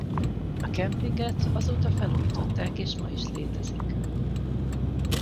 A kempinget azóta felújították és ma is létezik.